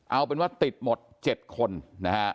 เอาเป็นว่าติดหมด๗คนนะฮะ